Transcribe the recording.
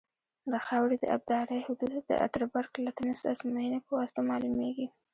د خاورې د ابدارۍ حدود د اتربرګ لمتس ازموینې په واسطه معلومیږي